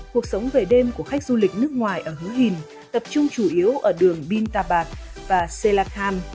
cuộc sống về đêm của khách du lịch nước ngoài ở hứa hìn tập trung chủ yếu ở đường bintabat và selakhan